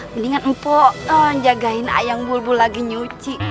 mendingan empo jagain ayang bulbul lagi nyuci